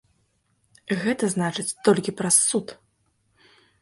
Гэта значыць, толькі праз суд!